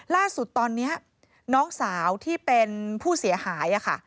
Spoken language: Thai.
ล่าสุดตอนนี้น้องสาวที่เป็นผู้เสียหายค่ะ